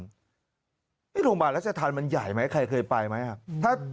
โรงพยาบาลรัชธรรมมันใหญ่ไหมใครเคยไปไหม